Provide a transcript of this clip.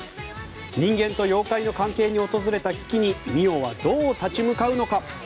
人間と妖怪の関係に訪れた危機に澪はどう立ち向かうのか。